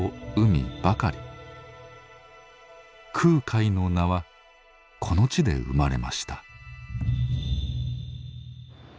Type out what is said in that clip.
「空海」の名はこの地で生まれました。